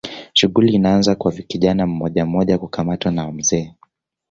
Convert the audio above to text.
Shughuli inaanza kwa kijana mmojammoja kukamatwa na mzee